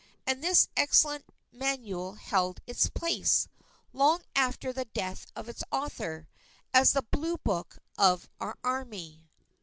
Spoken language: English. and this excellent manual held its place, long after the death of its author, as the Blue Book of our Army.